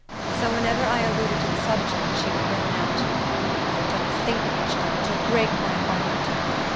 So, whenever I alluded to the subject, she would groan out, "O, don't think of it, child. You'll break my heart."